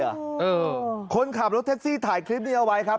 เออคนขับรถแท็กซี่ถ่ายคลิปนี้เอาไว้ครับ